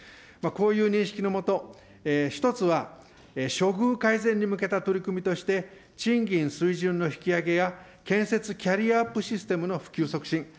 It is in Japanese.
こういう認識の下、１つは処遇改善に向けた取り組みとして、賃金水準の引き上げや建設キャリアアップシステムの普及、促進。